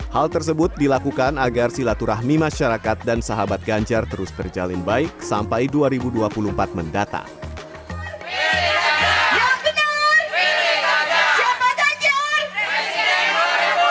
hal tersebut dilakukan agar silaturahmi masyarakat dan sahabat ganjar terus terjalin baik sampai dua ribu dua puluh empat mendatang